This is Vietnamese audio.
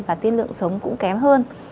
và tiên lượng sống cũng kém hơn